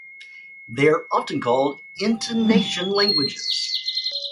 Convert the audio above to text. They are often called intonation languages.